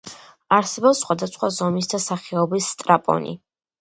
არსებობს სხვადასხვა ზომის და სახეობის სტრაპონი.